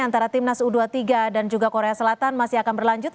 antara timnas u dua puluh tiga dan juga korea selatan masih akan berlanjut